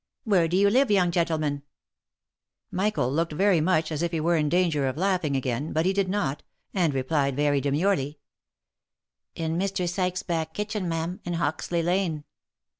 Where do you live, young gentleman ?" Michael looked very much as if he were in danger of laughing again, but he did not, and replied very demurely, " in Mr. Sykes's back kitchen, ma'am, in Hoxley lane."